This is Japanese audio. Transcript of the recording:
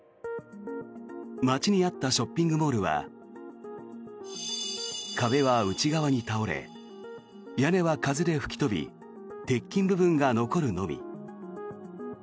街にあったショッピングモールは壁は内側に倒れ屋根は風で吹き飛び鉄筋部分が残るのみ。